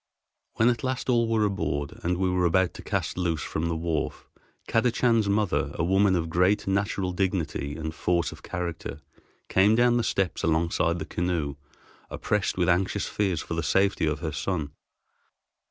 When at last all were aboard and we were about to cast loose from the wharf, Kadachan's mother, a woman of great natural dignity and force of character, came down the steps alongside the canoe oppressed with anxious fears for the safety of her son.